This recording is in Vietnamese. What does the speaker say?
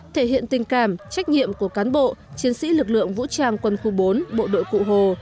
thể hiện tình cảm trách nhiệm của cán bộ chiến sĩ lực lượng vũ trang quân khu bốn bộ đội cụ hồ